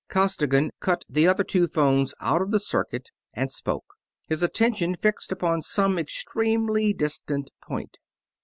Costigan cut the other two phones out of circuit and spoke, his attention fixed upon some extremely distant point.